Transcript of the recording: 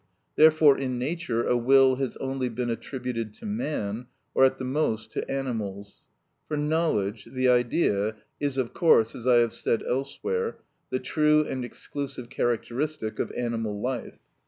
Therefore in nature a will has only been attributed to man, or at the most to animals; for knowledge, the idea, is of course, as I have said elsewhere, the true and exclusive characteristic of animal life.